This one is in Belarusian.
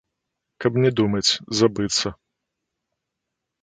Каб не думаць, забыцца.